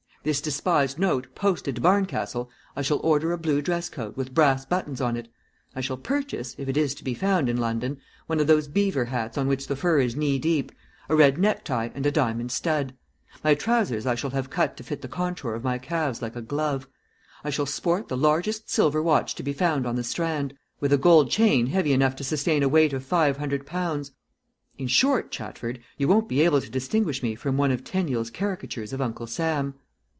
This despised note posted to Barncastle, I shall order a blue dress coat with brass buttons on it. I shall purchase, if it is to be found in London, one of those beaver hats on which the fur is knee deep, a red necktie, and a diamond stud. My trousers I shall have cut to fit the contour of my calves like a glove. I shall sport the largest silver watch to be found on the Strand, with a gold chain heavy enough to sustain a weight of five hundred pounds; in short, Chatford, you won't be able to distinguish me from one of Teniel's caricatures of Uncle Sam."